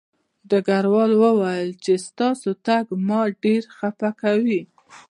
ډګروال وویل چې ستاسو تګ ما ډېر خپه کوي